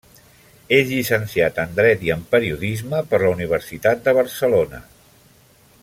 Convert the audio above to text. És llicenciat en dret i en periodisme per la Universitat de Barcelona.